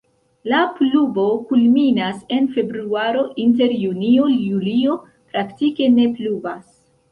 La pluvo kulminas en februaro, inter junio-julio praktike ne pluvas.